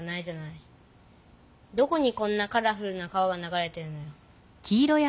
どこにこんなカラフルな川が流れてるのよ。